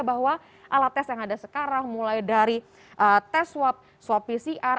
bahwa alat tes yang ada sekarang mulai dari tes swab swab pcr